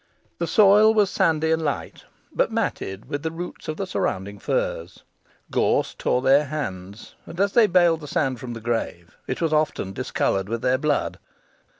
The soil was sandy and light, but matted with the roots of the surrounding firs. Gorse tore their hands; and as they baled the sand from the grave, it was often discoloured with their blood.